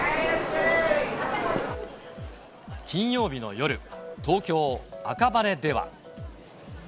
金曜日の夜、東京・赤羽では。